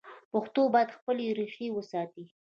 پښتو باید خپلې ریښې وساتي.